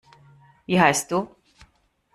Wie heisst du?